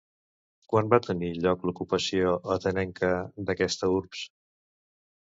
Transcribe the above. Quan va tenir lloc l'ocupació atenenca d'aquesta urbs?